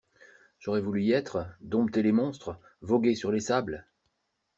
J’aurais voulu y être, dompter les monstres, voguer sur les sables.